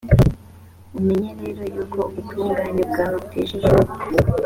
umenye rero yuko ubutungane bwawe butejejwe